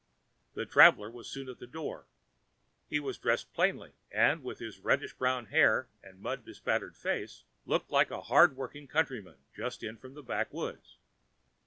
The traveler was soon at the door. He was dressed plainly, and, with his reddish brown hair and mud bespattered face, looked like a hard working countryman just in from the backwoods.